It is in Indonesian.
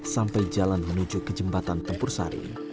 sampai jalan menuju ke jembatan tempur sari